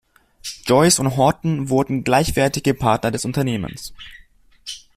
Joyce und Horton wurden gleichwertige Partner des Unternehmens.